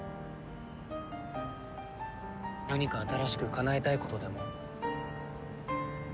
何か新しくかなえたいことでも？